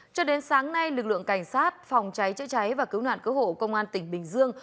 cho đến sáng nay lực lượng cảnh sát phòng cháy chữa cháy và cứu nạn cứu hộ công an tỉnh bình dương